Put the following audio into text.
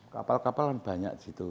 kapal kapalan banyak gitu